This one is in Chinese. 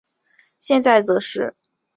现在则是音乐会和电影节的会场。